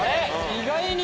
意外に